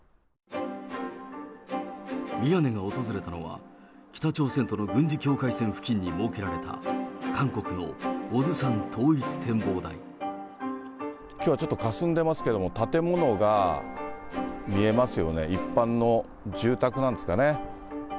宮根が訪れたのは、北朝鮮との軍事境界線付近に設けられた、きょうはちょっと、かすんでますけれども、建物が見えますよね、一般の住宅なんですかね。